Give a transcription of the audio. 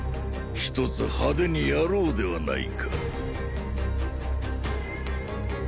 一つ派手にやろうではないか